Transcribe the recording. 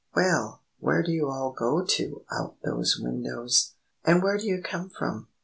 "Well, where do you all go to out those windows? And where do you come from?"